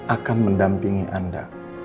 akan mendampingi anda